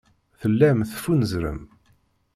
Tellam teffunzrem.